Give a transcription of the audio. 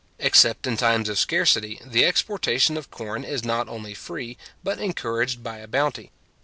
Except in times of scarcity, the exportation of corn is not only free, but encouraged by a bounty.